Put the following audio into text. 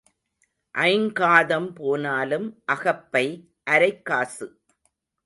ஐங்காதம் போனாலும் அகப்பை அரைக் காசு.